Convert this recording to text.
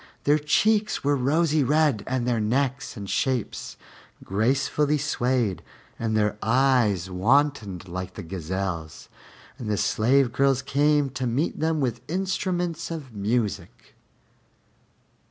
Their cheeks were rosy red, and their necks and shapes gracefully swayed, and their eyes wantoned like the gazelle's; and the slave girls came to meet them with instruments of music.